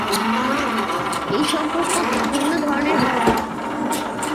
এই সম্পর্ক বিভিন্ন ধরনের হতে পারে।